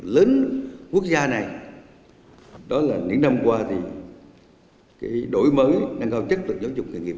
lớn quốc gia này đó là những năm qua thì cái đổi mới nâng cao chất lượng giáo dục nghề nghiệp